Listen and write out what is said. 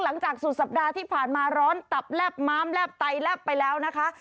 หลังจากสุดสัปดาห์ที่ผ่านมาร้อนตับแลบม้ามแลบไตแลบไปแล้วนะคะ